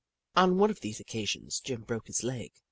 On one of these occasions, Jim broke his leg.